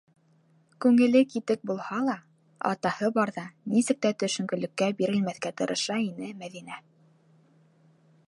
Күңеле китек булһа ла, атаһы барҙа нисек тә төшөнкөлөккә бирелмәҫкә тырыша ине Мәҙинә.